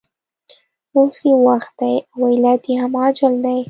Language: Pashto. اوس یې وخت دی او علت یې هم عاجل دی